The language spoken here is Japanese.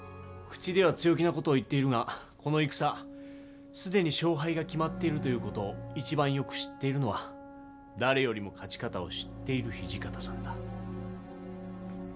口では強気な事を言っているがこの戦既に勝敗が決まっているという事を一番よく知っているのは誰よりも勝ち方を知っている土方さんだ。